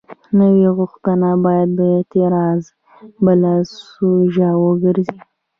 نوې غوښتنه باید د اعتراض بله سوژه وګرځي.